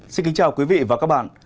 xin kính chào quý vị và các bạn